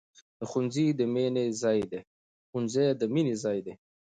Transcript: ښوونځی د مینې ځای دی.